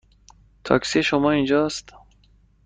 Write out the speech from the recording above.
تاکسی شما اینجا است.